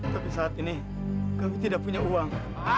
tapi sekarang kami tidak punya uang